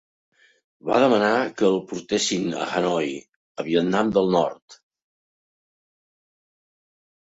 Va demanar que el portessin a Hanoi, a Vietnam del Nord.